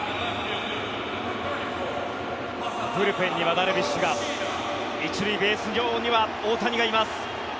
ブルペンにはダルビッシュが１塁ベース上には大谷がいます。